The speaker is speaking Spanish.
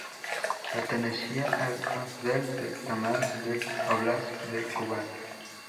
Pertenecía al otdel de Tamán del óblast de Kubán.